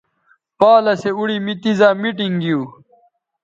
پالسے اوڑی می تیزائ میٹنگ گیو